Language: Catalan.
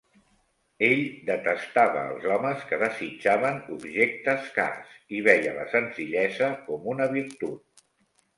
Ell detestava els homes que desitjaven objectes cars, i veia la senzillesa com una virtut.